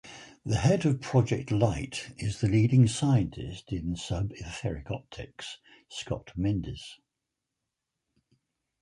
The head of Project Light is the leading scientist in sub-etheric optics, Scott Mindes.